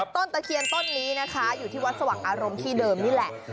ตะเคียนต้นนี้นะคะอยู่ที่วัดสว่างอารมณ์ที่เดิมนี่แหละ